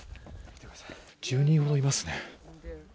１０人ほどいますね。